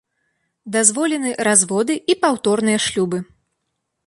Дазволены разводы і паўторныя шлюбы.